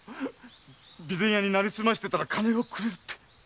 備前屋になりすましていたら金をくれるって。